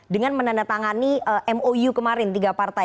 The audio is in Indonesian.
dengan menandatangani mou kemarin tiga partai